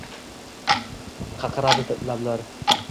Qaqradi lablar